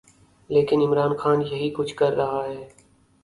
لیکن عمران خان یہی کچھ کر رہا ہے۔